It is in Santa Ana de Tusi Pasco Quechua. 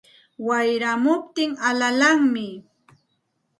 Wayramuptin alalanmi